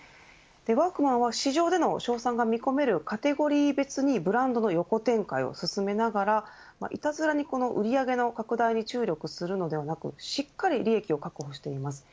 市場での勝算が見込めるカテゴリー別にブランドの横展開を進めながらいたずらに売り上げの拡大に注力するのではなくしっかり利益を確保しています。